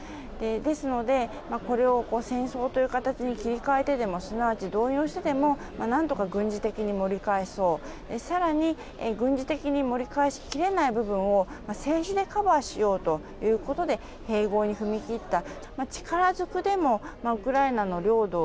ですので、これを戦争という形に切り替えてでもすなわち動員をしてでも何とか軍事的に盛り返そう更に、軍事的に盛り返しきれない部分を政治でカバーしようということで併合に踏み切った。